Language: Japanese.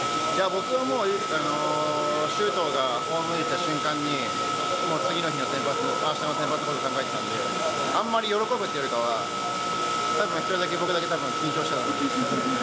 僕はもう、周東がホームインした瞬間に、もう次の日の先発、あしたの先発のことを考えてたんで、あんまり喜ぶというよりかは、たぶん僕一人だけ緊張してたと思います。